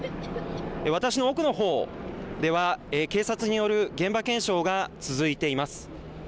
私の奥のほうでは警察による現場検証が続いています。